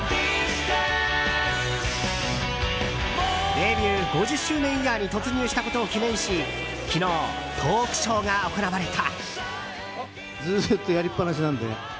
デビュー５０周年イヤーに突入したことを記念し昨日、トークショーが行われた。